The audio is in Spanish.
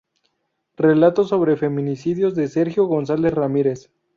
Relatos sobre feminicidios" de Sergio González Ramírez.